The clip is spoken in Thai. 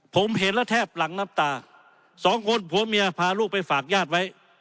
ผมเห็นแล้วแทบหลังน้ำตาสองคนผัวเมียพาลูกไปฝากญาติไว้